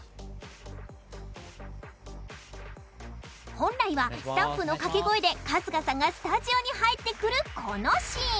本来はスタッフのかけ声で春日さんがスタジオに入ってくるこのシーン